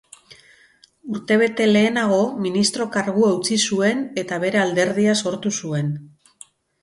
Urtebete lehenago, ministro-kargua utzi zuen, eta bere alderdia sortu zuen.